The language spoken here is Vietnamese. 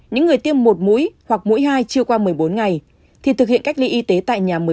những người tiêm một mũi hoặc mũi hai chưa qua một mươi bốn ngày thì thực hiện cách ly y tế tại nhà